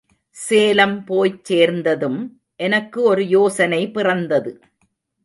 சேலம் போய்ச் சேர்ந்ததும் எனக்கு ஒரு யோசனை பிறந்தது.